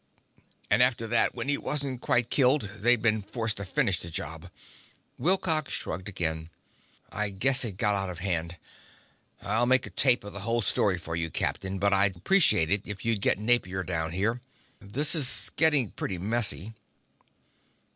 And after that, when he wasn't quite killed, they'd been forced to finish the job. Wilcox shrugged again. "I guess it got out of hand. I'll make a tape of the whole story for you, Captain. But I'd appreciate it if you'd get Napier down here. This is getting pretty messy."